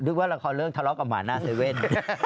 ว่าละครเรื่องทะเลาะกับหมาหน้าเซเว่น